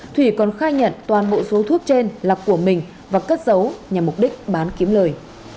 thủy còn khai nhận toàn bộ số thuốc trên là của mình và cất giấu nhằm mục đích bán kiếm lời